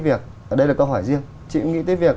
việc ở đây là câu hỏi riêng chị cũng nghĩ tới việc